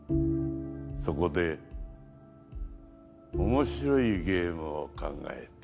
そこで面白いゲームを考えた。